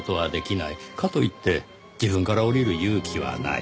かといって自分から降りる勇気はない。